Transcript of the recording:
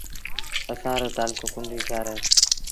اسآݩ رو تآلڪو ڪنريٚ شآهر اهي